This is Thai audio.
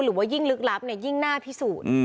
หรือว่ายิ่งลึกลับเนี่ยยิ่งน่าพิสูจน์